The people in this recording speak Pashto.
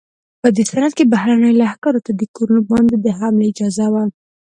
په دې سند کې بهرنیو لښکرو ته کورونو باندې د حملې اجازه وه.